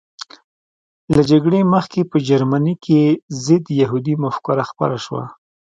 له جګړې مخکې په جرمني کې ضد یهودي مفکوره خپره شوه